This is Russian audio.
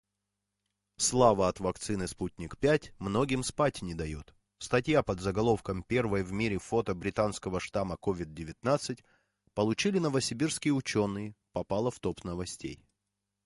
Начало переговоров способствовало бы созданию климата взаимного доверия и безопасности.